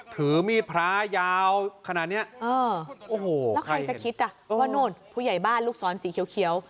ถือมีดพระยาวขนาดนี้โอ้โหแล้วใครจะคิดอ่ะว่านู่นผู้ใหญ่บ้านลูกศรสีเขียว